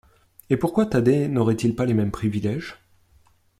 Et pourquoi Thaddée n’aurait-il pas les mêmes privilèges ?